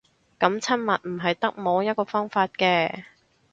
噉親密唔係得摸一個方法嘅